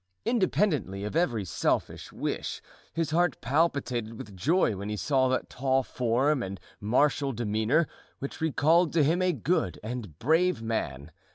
Independently of every selfish wish, his heart palpitated with joy when he saw that tall form and martial demeanor, which recalled to him a good and brave man.